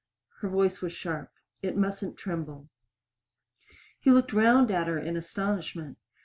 Her voice was sharp; it mustn't tremble. He looked round at her in astonishment.